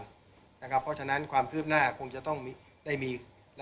เพราะฉะนั้นความคืบหน้าคงจะต้องได้มี